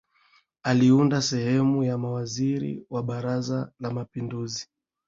Aliunda sehemu ya mawaziri wa baraza la mapinduzi